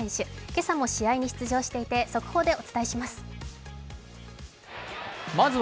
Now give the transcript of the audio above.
今朝も試合に出場していて、速報でお伝えします。